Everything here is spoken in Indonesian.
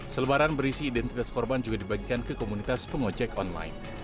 selebaran berisi identitas korban juga dibagikan ke komunitas pengojek online